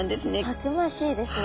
たくましいですね。